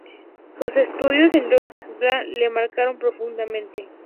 Sus estudios en Louis-le-Grand le marcaron profundamente.